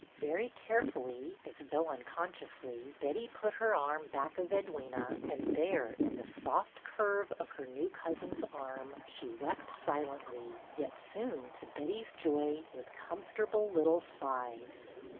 Very carefully, and as though unconsciously, Betty put her arm back of Edwyna, and there, in the soft curve of her new cousin's arm, she wept silently, yet soon, to Betty's joy, with com fortable little sighs.